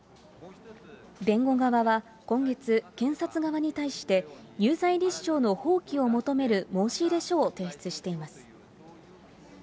弁護側は今月、検察側に対して、有罪立証の放棄を求める申し入れ書を提出しています。